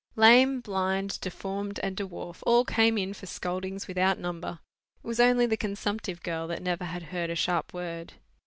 Lame, blind, deformed, and dwarf, all came in for scoldings without number: it was only the consumptive girl that never had heard a sharp word.